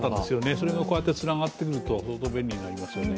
それがこうやってつながってくると相当便利になりますよね。